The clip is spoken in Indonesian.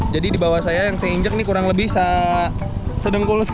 jadi di bawah saya yang saya injek ini kurang lebih sedengkul saya